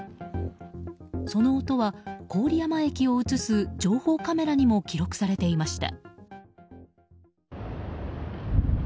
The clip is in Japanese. その音は、郡山駅を映す情報カメラにも記録されていました。